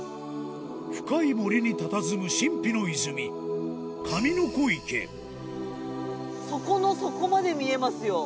深い森にたたずむ神秘の泉底の底まで見えますよ